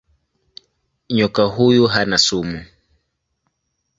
Nyoka huyu hana sumu.